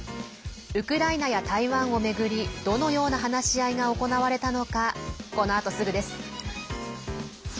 ウクライナや台湾を巡りどのような話し合いが行われたのか、このあとすぐです。